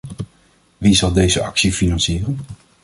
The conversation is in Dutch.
Wie zal deze actie financieren?